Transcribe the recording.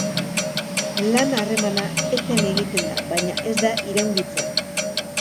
Lan-harremana eten egiten da, baina ez da iraungitzen.